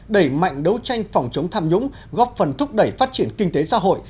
đẩy mạnh đấu tranh phòng chống tham nhũng góp phần thúc đẩy phát triển kinh tế xã hội